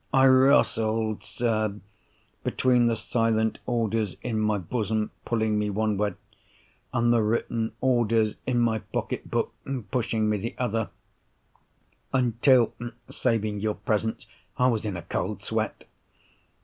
I wrostled, sir, between the silent orders in my bosom pulling me one way, and the written orders in my pocket book pushing me the other, until (saving your presence) I was in a cold sweat.